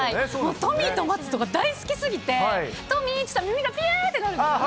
トミーとマツとか大好きすぎで、トミーっていったら耳がぴゅーってなるんですよね。